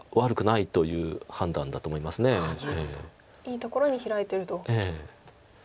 いいところにヒラいてると。